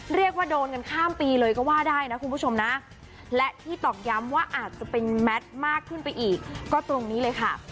เรียกว่าโดนกันข้ามปีเลยก็ว่าได้นะคุณผู้ชมนะและที่ตอกย้ำว่าอาจจะเป็นแมทมากขึ้นไปอีกก็ตรงนี้เลยค่ะ